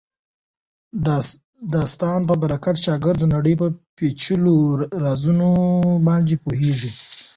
د استاد په برکت شاګرد د نړۍ په پېچلو رازونو باندې پوهېږي.